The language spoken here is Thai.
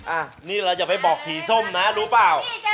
อ่ะนี่เราอย่าไปบอกสีส้มนะรู้เปล่า